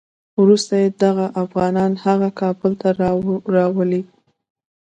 وروسته دغه افغانان هغه کابل ته راولي.